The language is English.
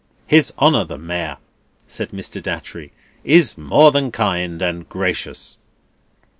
"His Honour the Mayor," said Mr. Datchery, "is more than kind and gracious."